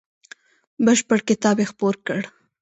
بشپړ کتاب یې خپور کړ.